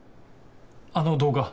あの動画。